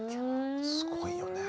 すごいよね。